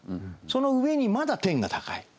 その上にまだ天が高い。